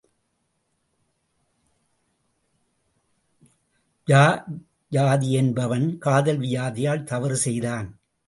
யயாதி என்பவன் காதல் வியாதியால் தவறு செய்தான்.